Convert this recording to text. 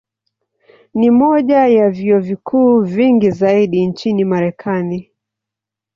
Ni moja ya vyuo vikuu vingi zaidi nchini Marekani.